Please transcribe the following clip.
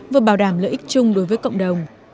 vừa bảo đảm lợi ích chung đối với cộng đồng